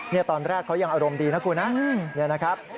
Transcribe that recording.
นี่ตอนแรกเขายังอารมณ์ดีนะครับ